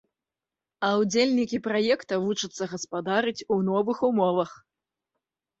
А ўдзельнікі праекта вучацца гаспадарыць у новых умовах.